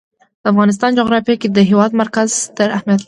د افغانستان جغرافیه کې د هېواد مرکز ستر اهمیت لري.